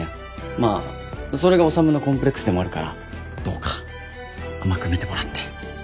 まあそれが修のコンプレックスでもあるからどうか甘く見てもらって。